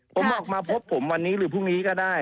ผมออกมาพบผมวันนี้หรือพรุ่งนี้ก็ได้